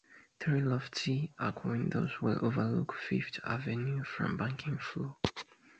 Three lofty arched windows will overlook Fifth Avenue from the banking floor.